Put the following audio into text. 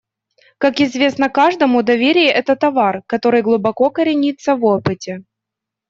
Как известно каждому, доверие − это товар, который глубоко коренится в опыте.